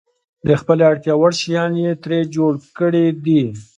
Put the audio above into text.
د خپلې اړتیا وړ شیان یې ترې جوړ کړي دي.